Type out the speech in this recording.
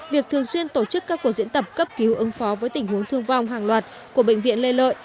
việc thường xuyên tổ chức các cuộc diễn tập cấp cứu ứng phó với tình huống thương vong hàng loạt của bệnh viện lê lợi